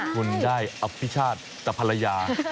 คุณได้อภิชาติกับภรรยา